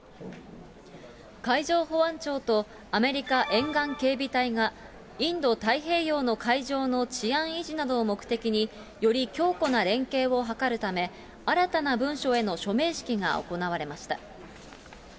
海上保安庁とアメリカ沿岸警備隊がインド太平洋の海上の治安維持などを目的により強固な連携を図るため、新たな文書への署名式が行われました。